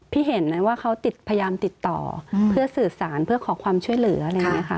เห็นไหมว่าเขาติดพยายามติดต่อเพื่อสื่อสารเพื่อขอความช่วยเหลืออะไรอย่างนี้ค่ะ